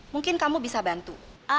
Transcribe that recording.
mungkin kamu bisa bantu